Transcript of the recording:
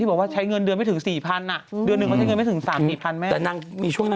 ที่บอกว่าใช้เงินเดือนไม่ถึง๔๐๐๐ฮเดือนนึงเขาใช้เงินไม่ถึง๓๐๐๐๐ฮ